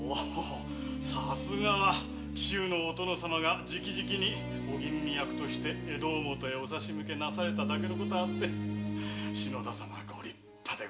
さすがは紀州のお殿様がじきじきにお吟味役として江戸表へお差し向けなされただけの事はあって御立派で。